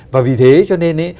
và vì thế cho nên